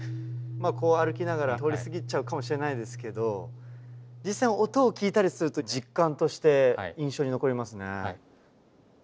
こう歩きながら通り過ぎちゃうかもしれないですけど実際に音を聞いたりすると実感として印象に残りますね。